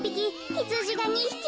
ひつじが２ひき。